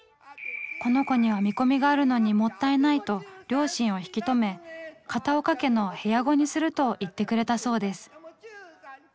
「この子には見込みがあるのにもったいない」と両親を引き止め片岡家の部屋子にすると言ってくれたそうです。